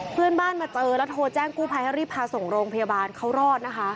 เพื่อนบ้านมาเจอแล้วโทรแจ้งกู้ภัยให้รีบพาส่งโรงพยาบาลเขารอดนะคะ